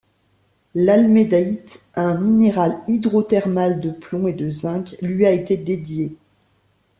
L'Almeidaïte, un minéral hydrothermal de plomb et de zinc, lui a été dédiée.